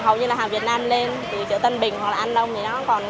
hầu như là hàng việt nam lên từ chợ tân bình hoặc là anh đông